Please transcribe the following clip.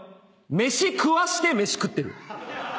飯食わして飯食ってる。